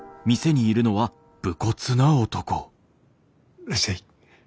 いらっしゃい。